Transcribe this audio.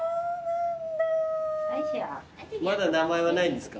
まだ名前はないんですか？